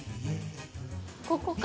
ここか？